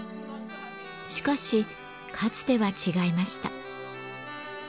しかしかつては違いました。